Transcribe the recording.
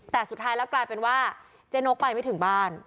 แต่สุดท้ายแล้วกลายเป็นว่าเจ๊นกไปไม่ถึงบ้าน